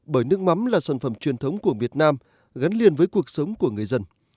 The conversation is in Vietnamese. bởi nước mắm là sản phẩm truyền thống của việt nam gắn liền với cuộc sống của người dân